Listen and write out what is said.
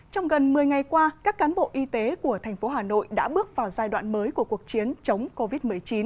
trong gần một mươi ngày qua các cán bộ y tế của thành phố hà nội đã bước vào giai đoạn mới của cuộc chiến chống covid một mươi chín